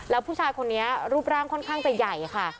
แล้วผู้ชายคนนี้รูปร่างค่อนข้างจะใหญ่ค่ะ